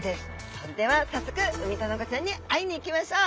それでは早速ウミタナゴちゃんに会いに行きましょう。